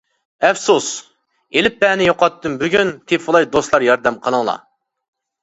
ئەپسۇس، ئېلىپبەنى يوقاتتىم بۈگۈن، تېپىۋالاي دوستلار ياردەم قىلىڭلار.